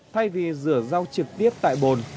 thay vì rửa rau trực tiếp tại bồn